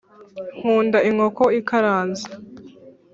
nkunda inkoko ikaranze